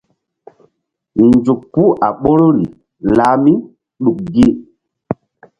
Nzuk puh a ɓoruri lah mí ɗuk gi.